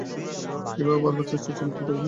এই ভাবে বার বার চেষ্টা চলিতে থাকে।